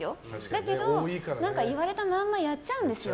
だけど、言われたまんまやっちゃうんですよ。